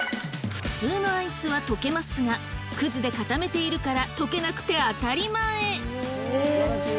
普通のアイスは溶けますが葛で固めているから溶けなくて当たり前！